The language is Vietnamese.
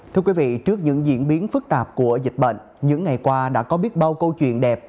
thưa quý vị trước những diễn biến phức tạp của dịch bệnh những ngày qua đã có biết bao câu chuyện đẹp